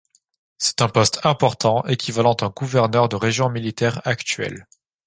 C'est un poste important, équivalent d'un gouverneur de région militaire actuel.